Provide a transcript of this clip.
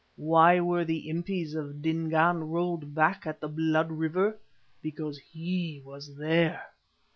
Why were the Impis of Dingaan rolled back at the Blood River? Because he was there.